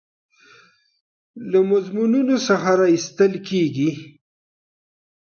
له مضمونونو څخه راخیستل کیږي.